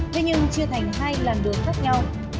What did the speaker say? thế nhưng chưa thành hai làn đường khác nhau